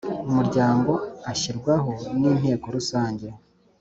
Umuryango ashyirwaho n inteko rusange